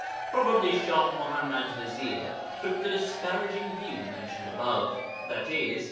Probably Shah Muḥammad's vizier took the disparaging view mentioned above (i.e.